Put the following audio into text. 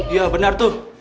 iya bener tuh